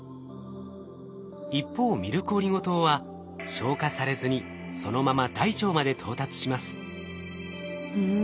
一方ミルクオリゴ糖は消化されずにそのまま大腸まで到達します。